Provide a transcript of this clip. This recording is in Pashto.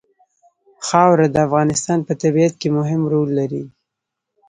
خاوره د افغانستان په طبیعت کې مهم رول لري.